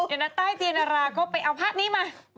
ในหน้าใต้เจียรรยาก็ไปเอาผ้านี้มา